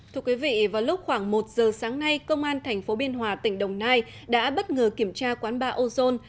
thưa quý vị vào lúc khoảng một giờ sáng nay công an tp biên hòa tỉnh đồng nai đã bất ngờ kiểm tra quán ba ozone